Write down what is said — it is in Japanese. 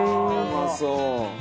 「うまそう！」